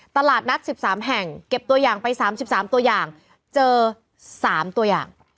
ตลาดนัด๑๓แห่งเก็บตัวอย่างไป๓๓ตัวอย่างเจอ๓ตัวอย่าง